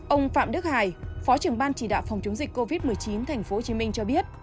ông phạm đức hải phó trưởng ban chỉ đạo phòng chống dịch covid một mươi chín tp hcm cho biết